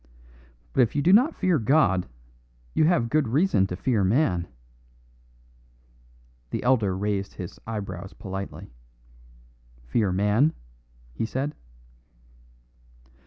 "But if you do not fear God, you have good reason to fear man." The elder raised his eyebrows politely. "Fear man?" he said.